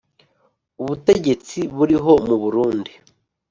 ubutegetsi buriho mu Burundi.